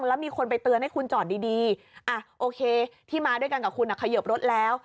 แล้วมีคนไปเตือนให้คุณจอดดีอ่ะโอเคที่มาด้วยกันกับคุณเขยิบรถแล้ว